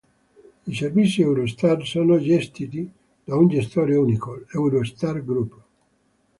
I servizi Eurostar sono gestiti da un gestore unico, l'Eurostar Group.